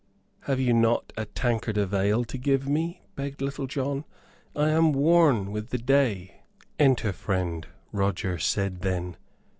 "Have you not a tankard of ale to give me?" begged Little John, "I am worn with the day." "Enter, friend," Roger said then.